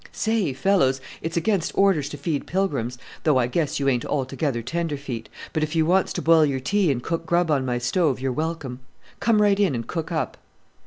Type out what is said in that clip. "Say! fellows, it's against orders to feed pilgrims, though I guess you ain't altogether tenderfeet; but if you wants to boil your tea and cook grub on my stove, you're welcome. Come right in and cook up."